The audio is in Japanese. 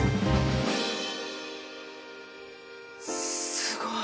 すごい。